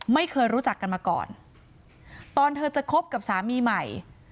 ไม่เคยรู้จักกันมาก่อนตอนเธอจะคบกับสามีใหม่